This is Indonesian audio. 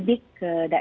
terima kasih pak menteri